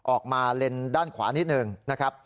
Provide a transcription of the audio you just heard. ออกมาเลนด้านขวานิดนึงนะครับ